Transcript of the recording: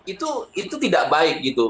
itu tidak baik gitu